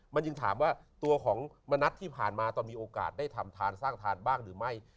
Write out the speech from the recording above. มันจึงถามว่าตัวของมณัฐที่ผ่านมาตอนมีโอกาสได้ทำทานสร้างทานบ้างหรือไม่